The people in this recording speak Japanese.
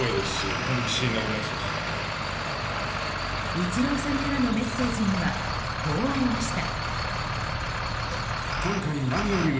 イチローさんからのメッセージにはこうありました。